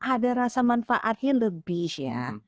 ada rasa manfaatnya lebih ya